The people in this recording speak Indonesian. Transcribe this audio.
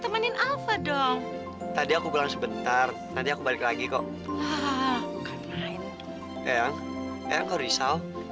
termasuk pembeli perusahaan ini bukan buat aku kan tapi buat dia